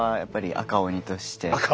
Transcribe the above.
赤鬼として。